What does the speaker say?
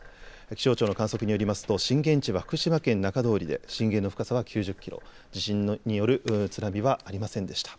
気象庁の観測によりますと震源地は福島県中通りで震源の深さは９０キロ、地震による津波はありませんでした。